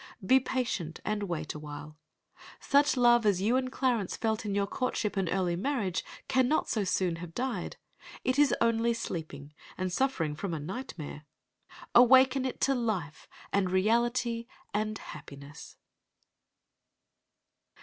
Be patient and wait awhile. Such love as you and Clarence felt in your courtship and early marriage cannot so soon have died. It is only sleeping, and suffering from a nightmare. Awaken it to life and reality and happiness.